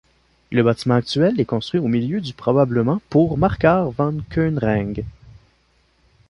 Le bâtiment actuel est construit au milieu du probablement pour Marquard von Kuenring.